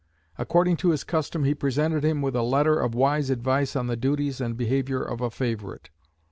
According to his custom he presented him with a letter of wise advice on the duties and behaviour of a favourite.